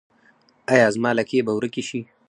ایا زما لکې به ورکې شي؟